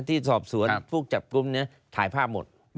ที่สอบสวนพวกจับกลุ่มนี้ถ่ายภาพหมด